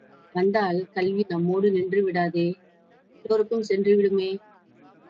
வந்தால் கல்வி நம்மோடு நின்று விடாதே எல்லோருக்கும் சென்று விடுமே!